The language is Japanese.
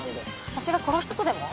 私が殺したとでも？